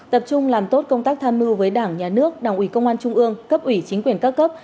tập trung làm tốt công tác tham mưu với đảng nhà nước đảng ủy công an trung ương cấp ủy chính quyền các cấp